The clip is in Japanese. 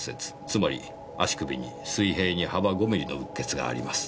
つまり足首に水平に幅５ミリのうっ血があります。